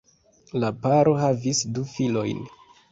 La paro havis du filojn.